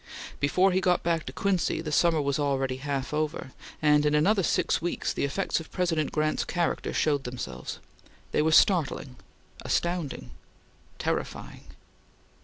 Before he got back to Quincy, the summer was already half over, and in another six weeks the effects of President Grant's character showed themselves. They were startling astounding terrifying.